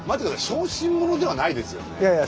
小心者ではないですよね。